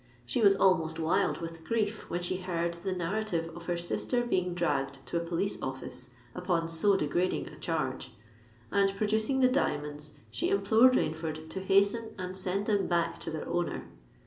She was almost wild with grief when she heard the narrative of her sister being dragged to a police office upon so degrading a charge; and, producing the diamonds, she implored Rainford to hasten and send them back to their owner.